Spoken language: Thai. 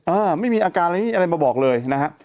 ไม่มีอาการอะไรนี่อะไรมาบอกเลยนะฮะ